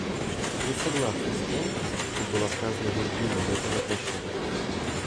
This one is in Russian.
Мы согласны с тем, что было сказано другими в этом отношении.